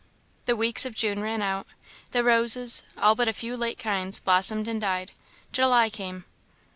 The weeks of June ran out; the roses, all but a few late kinds, blossomed and died; July came.